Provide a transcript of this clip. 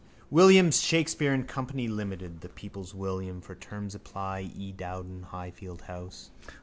William Shakespeare and company, limited. The people's William. For terms apply: E. Dowden, Highfield house...